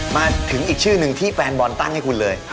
มาถึงอีกชื่อหนึ่งที่แฟนบอลตั้งให้คุณเลย